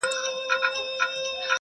په هر کلي کي یې یو جومات آباد کړ!.